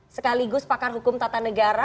sekaligus pakar hukum tata negara